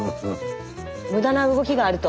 無駄な動きがあると。